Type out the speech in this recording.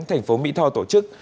thành phố mỹ tho tổ chức